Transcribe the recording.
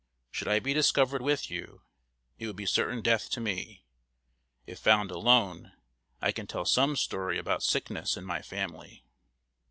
Should I be discovered with you, it would be certain death to me. If found alone, I can tell some story about sickness in my family."